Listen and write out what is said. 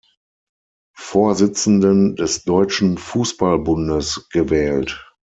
Vorsitzenden des Deutschen Fußball-Bundes gewählt.